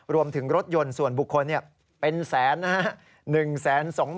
รวมถึงรถยนต์ส่วนบุคคลเป็นแสนนะฮะ